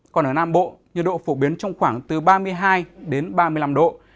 còn ở nam bộ nhiệt độ phổ biến trong khoảng từ ba mươi hai đến ba mươi năm độ